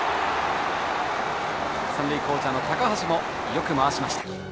三塁コーチャーの高橋もよく回しました。